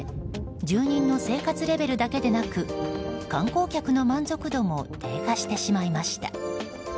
住人の生活レベルだけでなく観光客の満足度も低下してしまいました。